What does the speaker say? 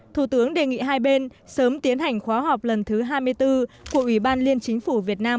thủ tướng đề nghị hai bên sớm tiến hành khóa họp lần thứ hai mươi bốn của ủy ban liên chính phủ việt nam